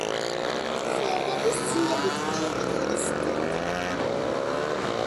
ხეობების ძირები ტყეებით არის გართულებული.